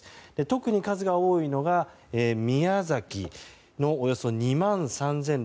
特に数が多いのが宮崎のおよそ２万３６２０戸。